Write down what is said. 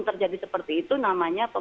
terjadi seperti itu namanya